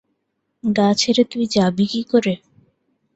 গা ছেড়ে তুই যাবি কি করে?